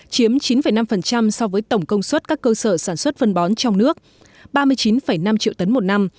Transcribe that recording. chiếm chín năm so với tổng công suất các cơ sở sản xuất phân bón trong nước ba mươi chín năm triệu tấn một năm